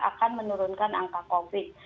akan menurunkan angka covid